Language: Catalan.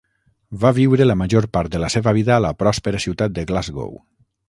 Va viure la major part de la seva vida a la pròspera ciutat de Glasgow.